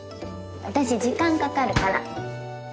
私時間かかるから。